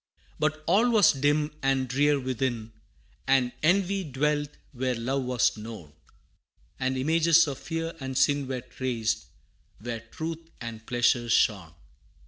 But all was dim and drear within, And envy dwelt where love was known, And images of fear and sin Were traced, where truth and pleasure shone.